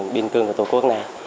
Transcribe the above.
bình cường của tổ quốc này